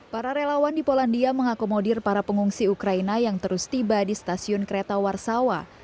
para relawan di polandia mengakomodir para pengungsi ukraina yang terus tiba di stasiun kereta warsawa